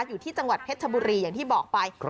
อยู่ที่จังหวัดเพชรชบุรีอย่างที่บอกไป